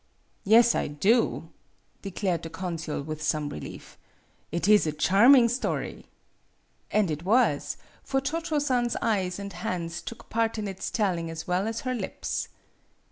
"Yes, I do," declared the consul, with some relief; " it is a charming story." And it was, for Cho Cho San's eyes and hands took part in its telling as well as her lips.